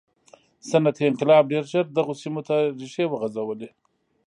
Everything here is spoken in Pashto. صنعتي انقلاب ډېر ژر دغو سیمو ته ریښې وغځولې.